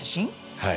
はい。